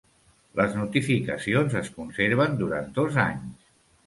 Les notificacions es conserven durant dos anys.